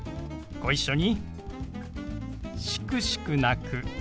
ご一緒に。